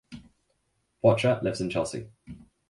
Bottcher lives in Chelsea.